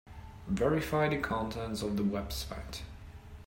Verify the contents of the website.